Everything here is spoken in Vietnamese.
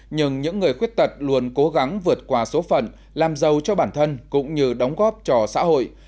nhưng những người khuyết tật luôn cố gắng vượt qua số phận làm giàu cho bản thân cũng như đóng góp cho xã hội